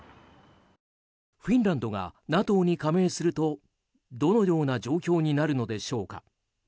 フィンランドがＮＡＴＯに加盟するとどのような状況になるのでしょうか。